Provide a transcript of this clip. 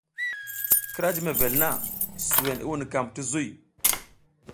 Kira jiy mevel na, suwen i wunukam ti zuy.